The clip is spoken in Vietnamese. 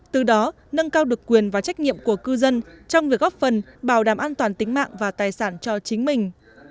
từ đó nâng cao được quyền và trách nhiệm của cư dân trong việc góp phần bảo đảm an toàn tính mạng và tài sản cho chính mình